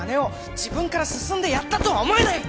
自分から進んでやったとは思えない！